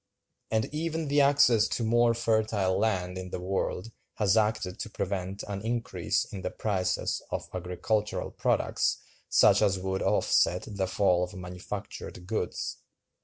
And even the access to more fertile land in the world has acted to prevent an increase in the prices of agricultural products such as would offset the fall of manufactured goods.